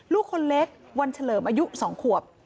ลูกคนเล็กวันเฉลิมอายุ๒ขวบ